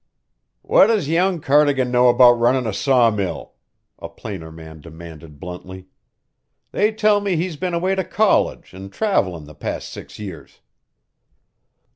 "What does young Cardigan know about runnin' a sawmill?" a planer man demanded bluntly. "They tell me he's been away to college an' travellin' the past six years."